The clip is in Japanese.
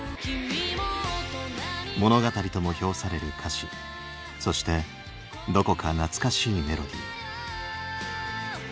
物語とも評される歌詞そしてどこか懐かしいメロディー。